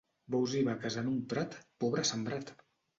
Bous i vaques en un prat, pobre sembrat!